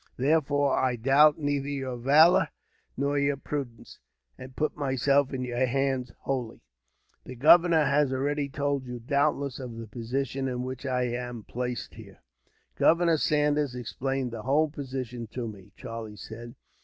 Therefore, I doubt neither your valour nor your prudence, and put myself in your hands, wholly. "The governor has already told you, doubtless, of the position in which I am placed here." "Governor Saunders explained the whole position to me," Charlie said.